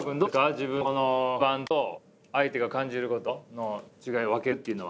自分のこの不安と相手が感じることの違いを分けるっていうのは。